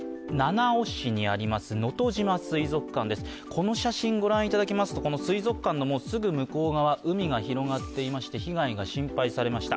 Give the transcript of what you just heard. この写真をご覧いただきますと、水族館のすぐ向こう側、海が広がっていまして被害が心配されました。